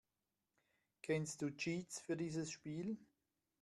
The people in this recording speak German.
Kennst du Cheats für dieses Spiel?